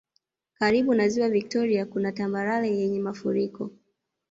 Karibu na Ziwa viktoria kuna tambarare yenye mafuriko